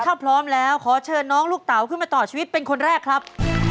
ถ้าพร้อมแล้วขอเชิญน้องลูกเต๋าขึ้นมาต่อชีวิตเป็นคนแรกครับ